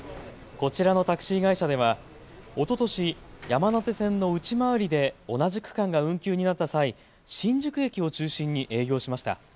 こちらのタクシー会社ではおととし山手線の内回りで同じ区間が運休になった際、新宿駅を中心に営業しました。